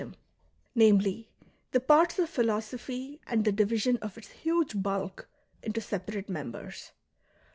— namely, the parts of philosophy and the division of its huge bulk into separate members.